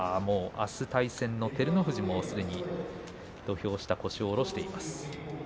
あす対戦する照ノ富士すでに土俵下腰を下ろしています。